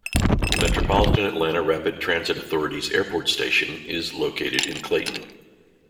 The Metropolitan Atlanta Rapid Transit Authority's Airport station is located in Clayton.